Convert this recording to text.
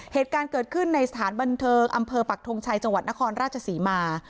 เหตุการณ์เกิดขึ้นในสถานบันเทิงอำเภอปักทงชัยจังหวัดนครราชศรีมา